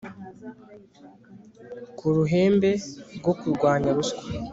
kuruhembe rwo kurwanya ruswa